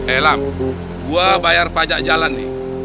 elam gua bayar pajak jalan nih